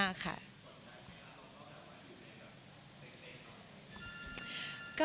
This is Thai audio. อ้ะใช่ค่ะ